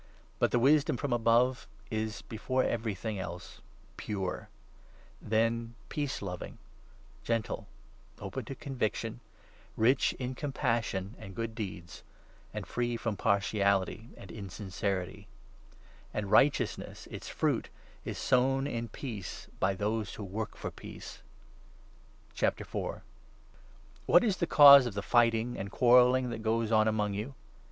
But the wisdom from above is, before every thing 17 else, pure ; then peace loving, gentle, open to conviction, rich in compassion and good deeds, and free from partiality and insincerity. And righteousness, its fruit, is sown in peace 18 by those who work for peace. Acainst What is the cause of the fighting and quarrel i < Party strife, ling that goes on among you ?